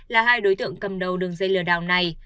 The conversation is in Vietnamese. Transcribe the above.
là hai đối tượng cầm đầu đường dây lừa đảo này